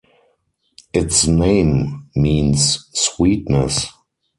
Its name means "sweetness".